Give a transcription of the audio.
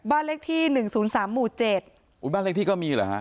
บ้านเลขที่๑๐๓หมู่๗บ้านเลขที่ก็มีเหรอฮะ